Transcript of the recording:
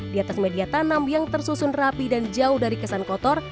di atas media tanam yang tersusun rapi dan jauh dari kesan kotor